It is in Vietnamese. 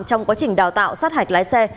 trong quá trình đào tạo sát hạch lái xe